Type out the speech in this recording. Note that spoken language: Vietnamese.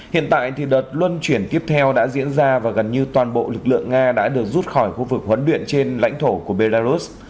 hiện tại đợt luân chuyển tiếp theo đã diễn ra và gần như toàn bộ lực lượng nga đã được rút khỏi khu vực huấn luyện trên lãnh thổ của belarus